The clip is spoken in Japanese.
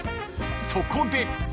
［そこで］